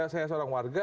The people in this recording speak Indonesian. saya seorang warga